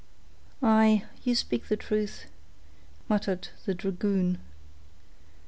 "Aye, you speak the truth," muttered the dragoon.